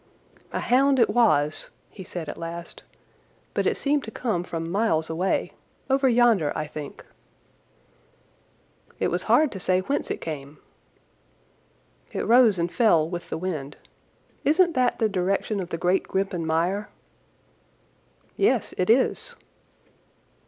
"A hound it was," he said at last, "but it seemed to come from miles away, over yonder, I think." "It was hard to say whence it came." "It rose and fell with the wind. Isn't that the direction of the great Grimpen Mire?" "Yes, it is."